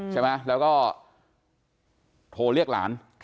ใช่ไหมแล้วก็โทรเรียกหลาน